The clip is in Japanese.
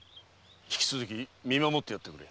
引き続き見守ってやってくれ。